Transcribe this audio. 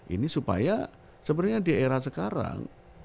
ini supaya sebenarnya di era sekarang